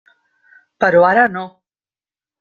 Però ara no.